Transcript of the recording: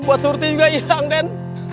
buat surti juga ilang den